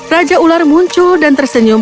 raja ular muncul dan tersenyum